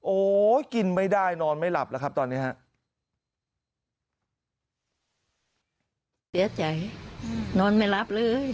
โอ้โหกินไม่ได้นอนไม่หลับแล้วครับตอนนี้ฮะ